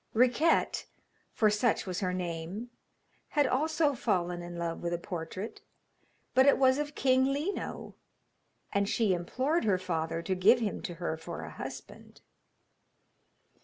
Riquette, for such was her name, had also fallen in love with a portrait, but it was of King Lino, and she implored her father to give him to her for a husband.